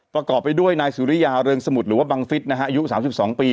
ประกอบไปด้วยนายสุริยาเริงสมุทรหรือว่าบังฟิศนะฮะอายุ๓๒ปี